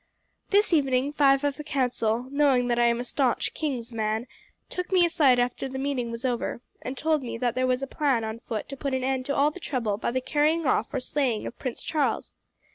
"This evening five of the council, knowing that I am a staunch king's man, took me aside after the meeting was over, and told me that there was a plan on foot to put an end to all the trouble by the carrying off or slaying of Prince Charles.